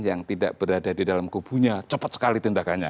yang tidak berada di dalam kubunya cepat sekali tindakannya